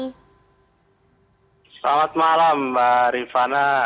selamat malam mbak rifana